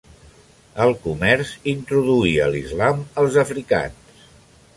El comerç introduïa l'Islam als africans.